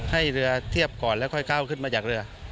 ให้เรือเทียบก่อนแล้วค่อยก้าวขึ้นมาจากเรือ